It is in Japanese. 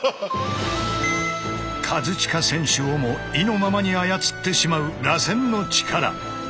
カズチカ選手をも意のままに操ってしまう螺旋の力。